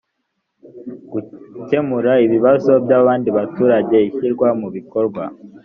gukemura ibibazo by abandi baturage ishyirwa mu bikorwa